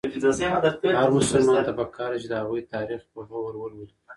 هر مسلمان ته پکار ده چې د هغوی تاریخ په غور ولولي.